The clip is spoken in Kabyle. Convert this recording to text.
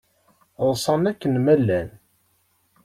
Ḍsan akken ma llan.